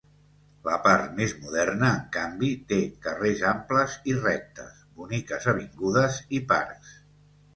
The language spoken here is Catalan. La part més moderna, en canvi té, carrers amples i rectes, boniques avingudes i parcs.